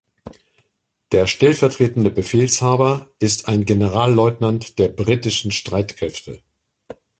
Der stellvertretende Befehlshaber ist ein Generalleutnant der britischen Streitkräfte.